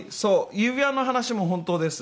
指輪の話も本当です。